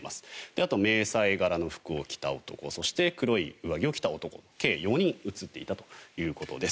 あと、迷彩柄の服を着た男そして黒い上着を着た男計４人映っていたということです。